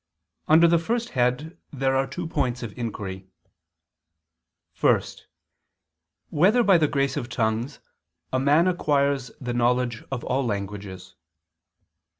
Under the first head there are two points of inquiry: (1) Whether by the grace of tongues a man acquires the knowledge of all languages?